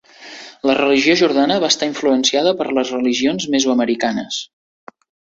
La religió Jornada va estar influenciada per les religions mesoamericanes.